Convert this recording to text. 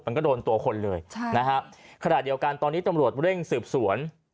มันก็โดนตัวคนเลยขณะเดียวกันตอนนี้ตำรวจเร่งสืบสวน